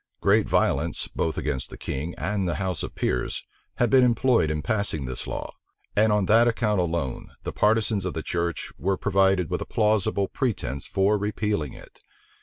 Great violence, both against the king and the house of peers, had been employed in passing this law; and on that account alone the partisans of the church were provided with a plausible pretence for repealing it.